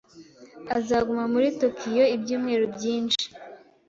Azaguma muri Tokiyo ibyumweru byinshi.